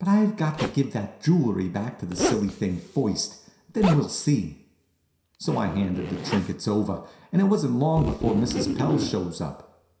"I've got to give that jewelry back to the silly thing first; then we'll see." So I handed the trinkets over, and it wasn't long before Mrs. Pell shows up.